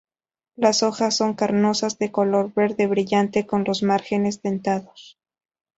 Las hojas son carnosas, de color verde brillante con los márgenes dentados.